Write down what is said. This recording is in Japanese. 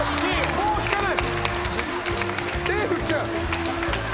もう弾かない。